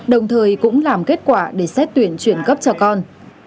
đồng thời cũng làm kết quả để xét tuyển chuyển cấp cho con